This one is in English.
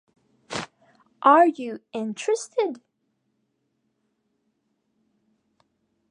Are you interested?